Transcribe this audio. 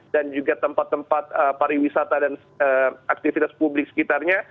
juga tempat tempat pariwisata dan aktivitas publik sekitarnya